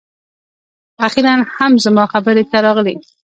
اخیر هم زما خبرې ته راغلې